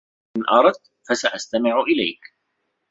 إن أردت، فسأستمع إليك.